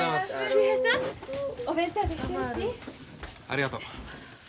ありがとう。